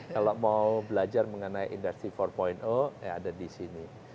kalau mau belajar mengenai industri empat ya ada di sini